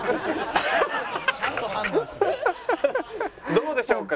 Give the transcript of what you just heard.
どうでしょうか？